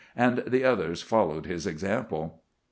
And the others followed his example.